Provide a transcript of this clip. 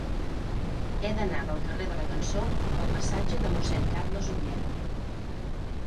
He d'anar del carrer de la Cançó al passatge de Mossèn Carles Oller.